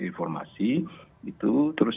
informasi itu terus